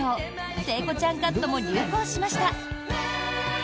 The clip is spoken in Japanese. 聖子ちゃんカットも流行しました。